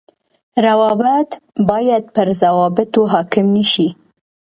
روابط باید پر ضوابطو حاڪم نشي